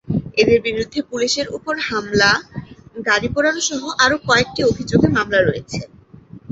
এদের বিরুদ্ধে পুলিশের ওপর হামলা, গাড়ি পোড়ানোসহ আরও কয়েকটি অভিযোগে মামলা রয়েছে।